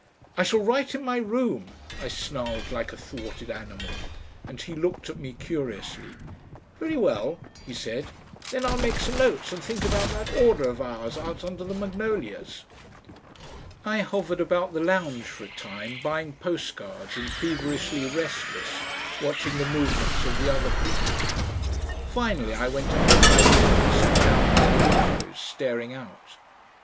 "I shall write in my room," I snarled like a thwarted animal, and he looked at me curiously. "Very well," he said; "then I'll make some notes and think about that order of ours out under the magnolias." I hovered about the lounge for a time buying postcards and feverishly restless, watching the movements of the other people. Finally I went up to my room and sat down by the windows, staring out.